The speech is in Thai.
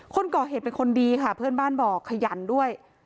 คนก่อเหตุเป็นคนดีค่ะเพื่อนบ้านบอกขยันด้วย